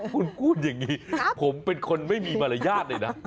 คุณพูดอย่างนี้ผมเป็นคนไม่มีมารยาทเลยนะ